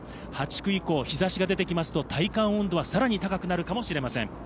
８区以降、日差しが出てくると体感温度はさらに高く感じるかもしれません。